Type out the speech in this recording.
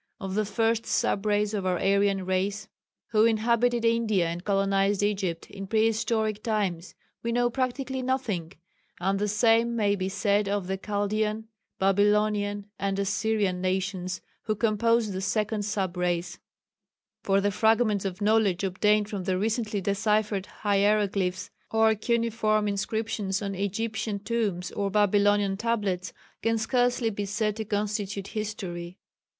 Of the 1st sub race of our Aryan Race who inhabited India and colonial Egypt in prehistoric times we know practically nothing, and the same may be said of the Chaldean, Babylonian, and Assyrian nations who composed the 2nd sub race for the fragments of knowledge obtained from the recently deciphered hieroglyphs or cuneiform inscriptions on Egyptian tombs or Babylonian tablets can scarcely be said to constitute history.